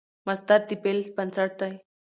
مصدر د فعل بنسټ دئ.